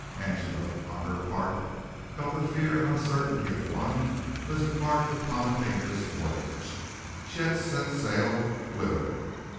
Angela on her part felt the fear and uncertainty of one who has embarked upon a dangerous voyage. She had set sail whither?